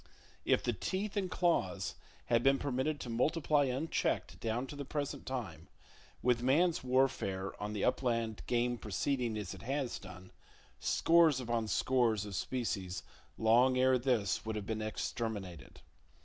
If the teeth and claws had been permitted to multiply unchecked down to the present time, with man's warfare on the upland game proceeding as it has done, scores upon scores of species long ere this would have been exterminated.